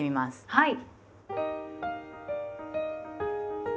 はい。